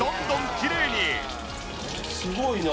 すごいな。